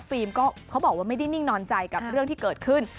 เขาบอกว่าไม่ได้นิ่งนอนใจกับเรื่องที่เกิดขึ้น